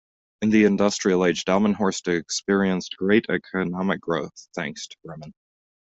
In the industrial age Delmenhorst experienced great economic growth, thanks to Bremen.